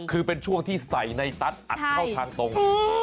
คือเป็นช่วงที่ใส่ในตัสอัดเข้าทางตรง